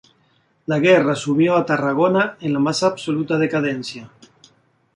La guerra sumió a Tarragona en la más absoluta decadencia.